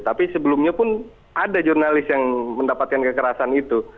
tapi sebelumnya pun ada jurnalis yang mendapatkan kekerasan itu